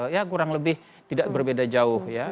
ya kurang lebih tidak berbeda jauh ya